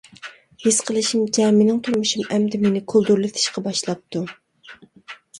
ھېس قىلىشىمچە مېنىڭ تۇرمۇشۇم ئەمدى مېنى كولدۇرلىتىشقا باشلاپتۇ.